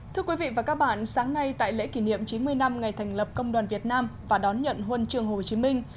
thưa quý vị và các bạn sáng nay tại lễ kỷ niệm chín mươi năm ngày thành lập công đoàn việt nam và đón nhận huân trường hồ chí minh